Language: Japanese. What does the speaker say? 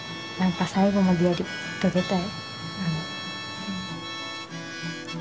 最後までやり遂げたい。